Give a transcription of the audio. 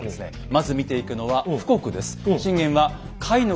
まず見ていくのは「富国」です。